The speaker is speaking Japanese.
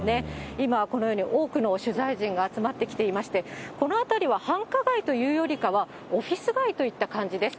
今、このように多くの取材陣が集まってきていまして、この辺りは繁華街というよりかは、オフィス街といった感じです。